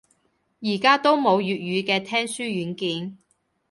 而家都冇粵語嘅聽書軟件